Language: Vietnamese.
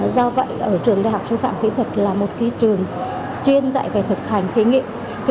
do vậy ở trường đại học sư phạm kỹ thuật là một trường chuyên dạy về thực hành thí nghiệm